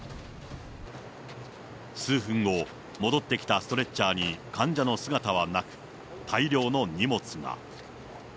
数分後、戻ってきたストレッチャーに患者の姿はなく、大量の荷物が。